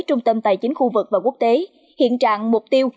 trung tâm tài chính khu vực và quốc tế hiện trạng mục tiêu